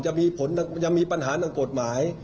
จะมีผลจะมีปัญหานางกฎหมาย